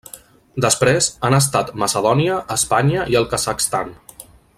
Després, han estat Macedònia, Espanya i el Kazakhstan.